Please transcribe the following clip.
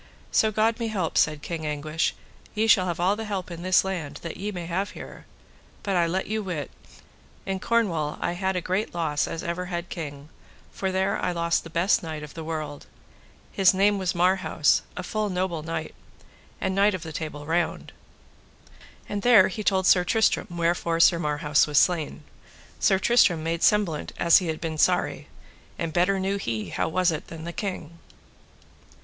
So God me help, said King Anguish, ye shall have all the help in this land that ye may have here; but I let you wit, in Cornwall I had a great loss as ever had king, for there I lost the best knight of the world; his name was Marhaus, a full noble knight, and Knight of the Table Round; and there he told Sir Tristram wherefore Sir Marhaus was slain. Sir Tristram made semblant as he had been sorry, and better knew he how it was than the king.